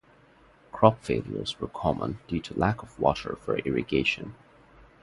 Crop failures were common due to lack of water for irrigation.